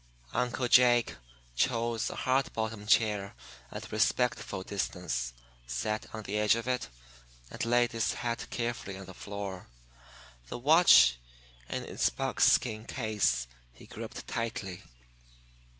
Uncle Jake chose a hard bottom chair at a respectful distance, sat on the edge of it, and laid his hat carefully on the floor. The watch in its buckskin case he gripped tightly.